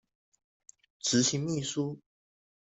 執行秘書